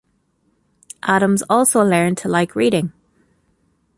Adams also learned to like reading.